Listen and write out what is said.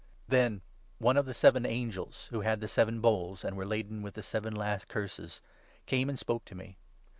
Then one of the seven angels who had the seven bowls, and 9 were laden with the seven last Curses, came and spoke to me.